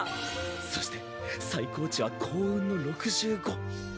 そして最高値は幸運の６５。